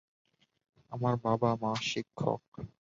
আমার বাবা-মা শিক্ষক।